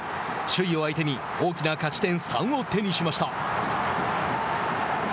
首位を相手に大きな勝ち点３を手にしました。